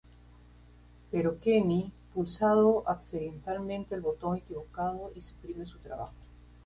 Pero Kenny pulsado accidentalmente el botón equivocado y suprime su trabajo.